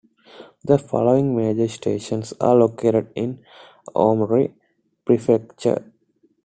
The following major stations are located in Aomori Prefecture.